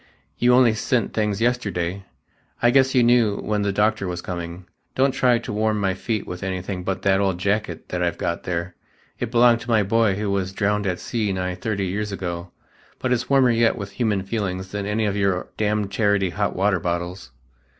You only sent things yesterday. I guess you knew when the doctor was coming. Don't try to warm my feet with anything but that old jacket that I've got there; it belonged to my boy who was drowned at sea nigh thirty years ago, but it's warmer yet with human feelings than any of your damned charity hot water bottles."